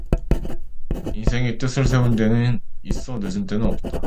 인생에 뜻을 세우는데 있어 늦은 때는 없다.